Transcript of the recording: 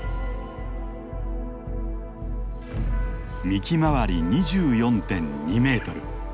幹周り２４．２メートル。